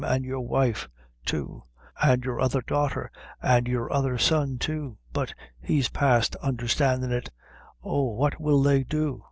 an' your wife, too; an' your other daughter, an' your other son, too; but he's past under standin' it; oh, what will they do?